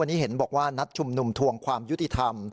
วันนี้เห็นบอกว่านัดชุมนุมทวงความยุติธรรม